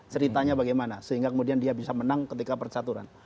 ceritanya bagaimana sehingga kemudian dia bisa menang ketika percaturan